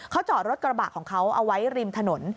เขาจอดรถกระบะของเขาเอาไว้ริมถนน